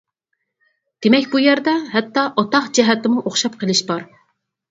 دېمەك بۇ يەردە ھەتتا ئاتاق جەھەتتىمۇ ئوخشاپ قېلىش بار.